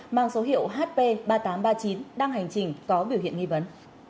mang số hiệu hp ba nghìn tám trăm ba mươi chín đang hành trình có biểu hiện nghi vấn